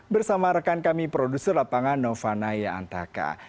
bersama rekan kami produser lapangan nova naya antaka